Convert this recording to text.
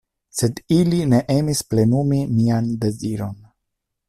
Sed ili ne emis plenumi mian deziron.